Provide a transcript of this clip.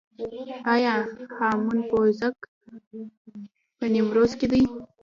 آیا هامون پوزک په نیمروز کې دی؟